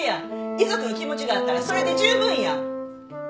遺族の気持ちがあったらそれで十分や！